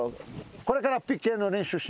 これからＰＫの練習しましょう。